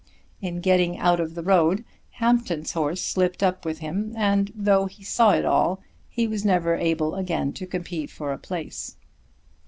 In getting out of the road Hampton's horse slipped up with him, and, though he saw it all, he was never able again to compete for a place.